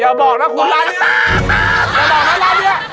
อย่าบอกนะร้านนี้